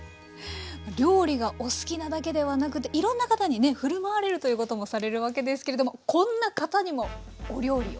料理がお好きなだけではなくていろんな方にふるまわれるということもされるわけですけれどもこんな方にもお料理を。